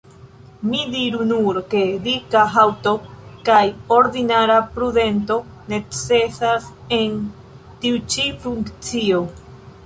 Mi diru nur, ke dika haŭto kaj ordinara prudento necesas en tiu ĉi funkcio.